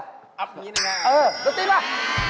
เอาแบบนี้นะครับเออโรตตี้มา